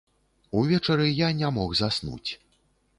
Увечары я не мог заснуць.